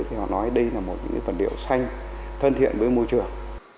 thì họ nói đây là một vật liệu xanh thân thiện với môi trường